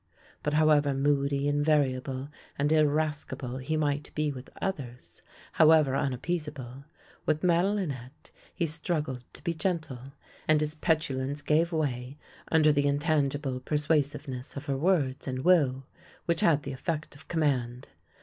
But however moody and variable and irascible he might be with others, how ever unappeasable, with Madelinette he struggled to be gentle, and his petulance gave way under the intan gible persuasiveness of her words and will, which had the effect of command.